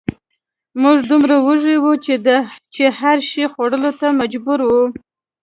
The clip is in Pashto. موږ دومره وږي وو چې هر شي خوړلو ته مجبور وو